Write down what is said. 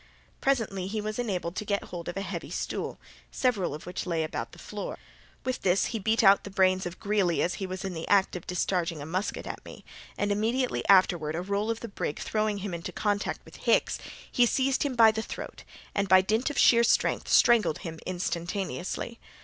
Presently he was enabled to get hold of a heavy stool, several of which lay about the floor. With this he beat out the brains of Greely as he was in the act of discharging a musket at me, and immediately afterward a roll of the brig throwing him in contact with Hicks, he seized him by the throat, and, by dint of sheer strength, strangled him instantaneously.